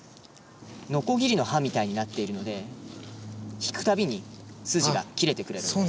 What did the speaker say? のこぎりの刃みたいになっているので引くたびに筋が切れてくれるんです。